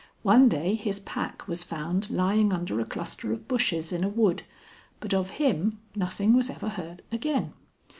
One day his pack was found lying under a cluster of bushes in a wood, but of him nothing was ever again heard.